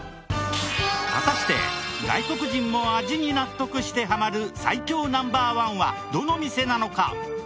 果たして外国人も味に納得してハマる最強Ｎｏ．１はどの店なのか？